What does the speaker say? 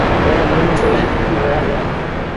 Eran muíños de vento, non era real.